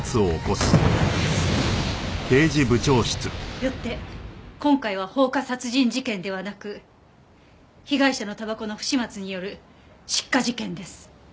よって今回は放火殺人事件ではなく被害者のタバコの不始末による失火事件です。